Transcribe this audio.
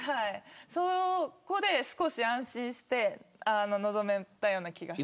そこで、少し安心して臨めたような気がします。